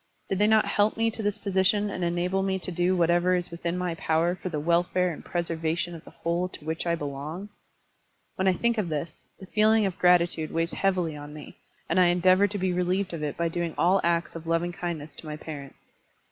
Did they not help me to this position and enable me to do whatever is within my power for the wel fare and preservation of the whole to which I belong? When I think of this, the feeling of gratitude weighs heavily on me, and I endeavor to be relieved of it by doing all acts of loving kindness to my parents.